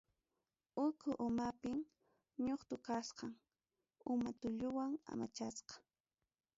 Uku umapim ñuqtun kachkan, uma tulluwan amachasqa.